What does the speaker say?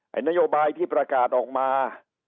นโยบายที่ประกาศออกมา